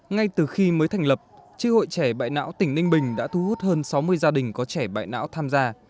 ngay từ khi mới thành lập tri hội trẻ bại não tỉnh ninh bình đã thu hút hơn sáu mươi gia đình có trẻ bại não tham gia